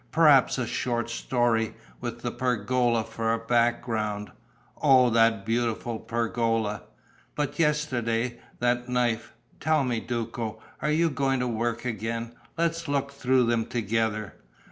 Perhaps a short story, with the pergola for a background. Oh, that beautiful pergola!... But yesterday, that knife!... Tell me, Duco, are you going to work again? Let's look through them together.